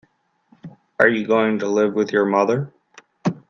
Are you going to live with your mother?